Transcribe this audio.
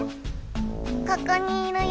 ここにいるよ。